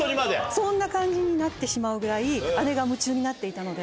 そんな感じになってしまうぐらい姉が夢中になっていたので。